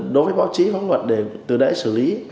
đối với báo chí pháp luật để từ đại xử lý